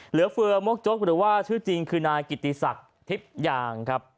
เหลือเฟอะมกจ๊กหรือว่าชื่อจริงคือนายกิตีส่ากฮิบอย่างครับ